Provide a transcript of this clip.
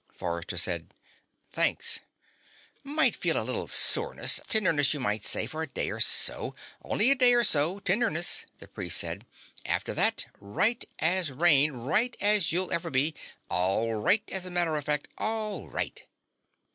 Forrester said: "Thanks." "Might feel a little soreness tenderness, you might say for a day or so. Only a day or so, tenderness," the priest said. "After that, right as rain. Right as you'll ever be. All right, as a matter of fact: all right."